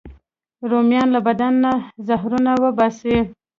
رومیان له بدن نه زهرونه وباسي